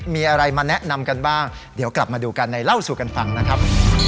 มีอะไรมาแนะนำกันบ้างเดี๋ยวกลับมาดูกันในเล่าสู่กันฟังนะครับ